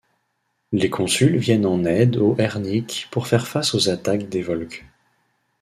Les consuls viennent en aide aux Herniques pour faire face aux attaques des Volsques.